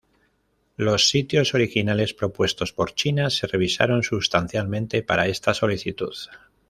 Los sitios originales propuestos por China se revisaron sustancialmente para esta solicitud.